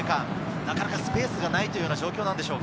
なかなかスペースがないという状況でしょうか。